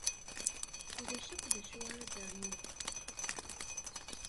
Ulac akk d acu ara d-rnuɣ.